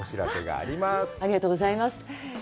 ありがとうございます。